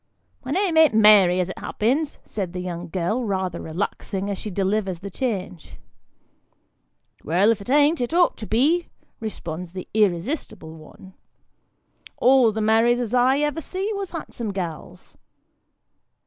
" My name an't Mary as it happens," says the young girl, rather relaxing as she delivers the change. " Well, if it an't, it ought to be," responds the irresistible one ; "all the Marys as ever I see, was handsome gals."